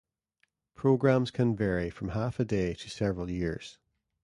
Programs can vary from half a day to several years.